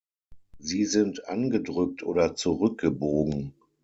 Sie sind angedrückt oder zurückgebogen.